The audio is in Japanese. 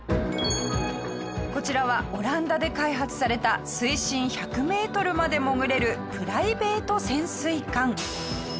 こちらはオランダで開発された水深１００メートルまで潜れるプライベート潜水艦。